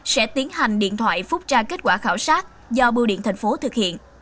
sẽ tiến hành điện thoại phúc tra kết quả khảo sát do biểu điện tp hcm thực hiện